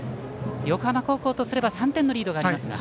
横浜高校とすれば３点のリードがありますが。